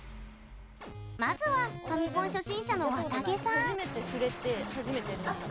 まずは、ファミコン初心者のわたげさん。